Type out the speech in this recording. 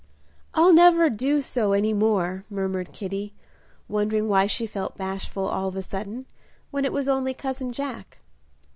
"I'll never do so any more," murmured Kitty, wondering why she felt bashful all of a sudden, when it was only cousin Jack.